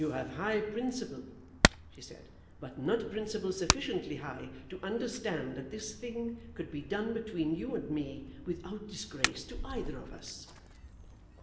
"You have high principle," she said, "but not principle sufficiently high to understand that this thing could be done between you and me without disgrace to either of us."